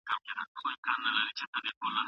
اولاد یې هم بندي بوتلل سو